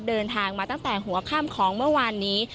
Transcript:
เดินทางมาตั้งแต่หัวค่ำของเมื่อวานนี้